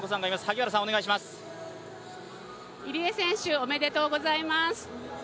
入江選手、おめでとうございます。